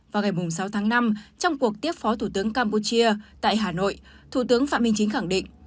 vào ngày sáu tháng năm trong cuộc tiếp phó thủ tướng campuchia tại hà nội thủ tướng phạm minh chính khẳng định